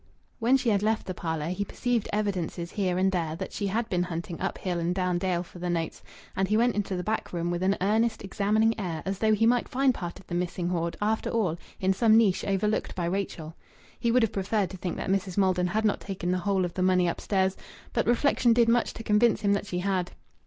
When she had left the parlour he perceived evidences here and there that she had been hunting up hill and down dale for the notes; and he went into the back room with an earnest, examining air, as though he might find part of the missing hoard, after all, in some niche overlooked by Rachel. He would have preferred to think that Mrs. Maldon had not taken the whole of the money upstairs, but reflection did much to convince him that she had.